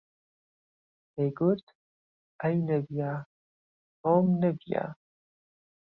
دەیگوت: ئەی نەبیە، تۆم نەبییە